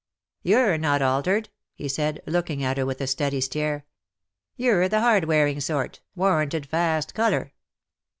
" You're not altered/' he said, looking at her with a steady stare. '^^You^re the hard wearing sort, warranted fast colour."